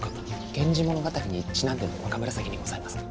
源氏物語にちなんでの若紫にございますか？